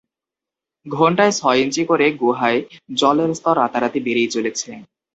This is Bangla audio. ঘণ্টায় ছয় ইঞ্চি করে গুহায় জলের স্তর রাতারাতি বেড়েই চলেছে।